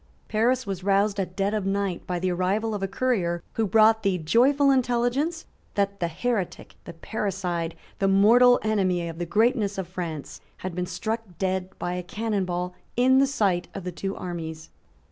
Paris was roused at dead of night by the arrival of a courier who brought the joyful intelligence that the heretic, the parricide, the mortal enemy of the greatness of France, had been struck dead by a cannon ball in the sight of the two armies.